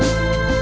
mùa mùa mùa đen